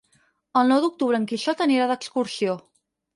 El nou d'octubre en Quixot anirà d'excursió.